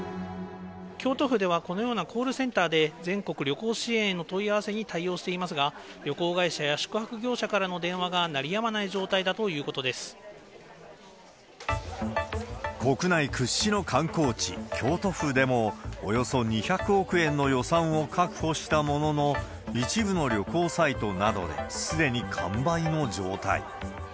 京都府ではこのようなコールセンターで、全国旅行支援への問い合わせに対応していますが、旅行会社や宿泊業者からの電話が鳴りやまない状態だということで国内屈指の観光地、京都府でもおよそ２００億円の予算を確保したものの、一部の旅行サイトなどですでに完売の状態。